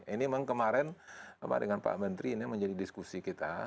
ini memang kemarin dengan pak menteri ini menjadi diskusi kita